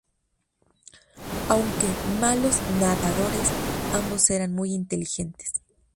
Aunque malos nadadores, ambos eran muy inteligentes.